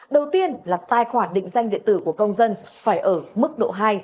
đầu tiên là tài khoản định danh điện tử của công dân phải ở mức độ hai